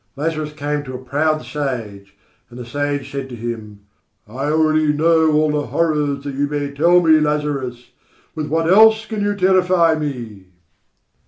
Lazarus came to a proud sage, and the sage said to him: "I already know all the horrors that you may tell me, Lazarus. With what else can you terrify me?"